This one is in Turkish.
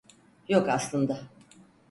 Yok aslında.